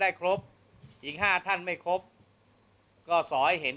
ตามประมวลกฎหมายอาญามาตรา๑๑๒หรือข้อหาอื่นใดกับสินแสโชคคุณ